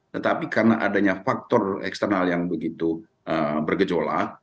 tetapi karena adanya faktor eksternal yang begitu bergejolak